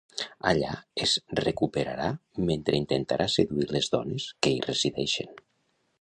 Allà es recuperarà mentre intentarà seduir les dones que hi resideixen.